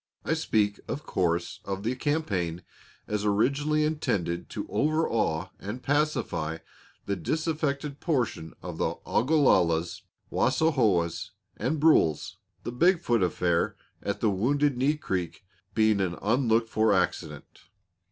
I speak, of course, of the campaign as originally intended to overawe and pacify the disaffected portion of the Ogalallas, Wassaohas, and Brules, the Big Foot affair at Wounded Knee Creek being an unlooked for accident.